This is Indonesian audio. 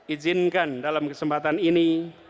izinkan dalam kesempatan ini